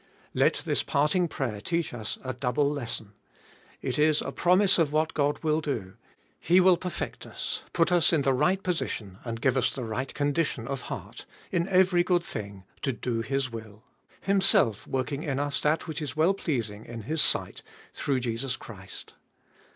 Let this parting prayer teach us a double lesson. It is a promise of what God will do. He will perfect us — put us in the right position, and give us the right condition of heart — in every good thing, to do His will,— Himself working in us that which is well pleasing in His sight, through Jesus Christ.